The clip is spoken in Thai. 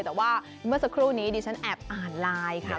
แต่ว่าเมื่อสักครู่นี้ดิฉันแอบอ่านไลน์ค่ะ